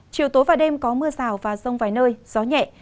chiều tối và đêm có mưa rào và rông vài nơi gió nhẹ